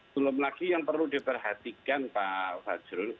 sebelum lagi yang perlu diperhatikan pak wajrul